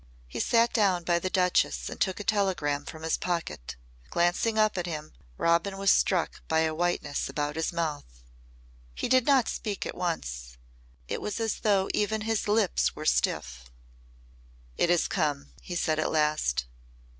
He sat down by the Duchess and took a telegram from his pocket. Glancing up at him, Robin was struck by a whiteness about his mouth. He did not speak at once. It was as though even his lips were stiff. "It has come," he said at last.